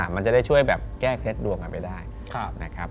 มันจะได้ช่วยแก้เท็จดวงไปได้